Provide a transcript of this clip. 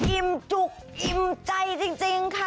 อิ่มจุกอิ่มใจจริงค่ะ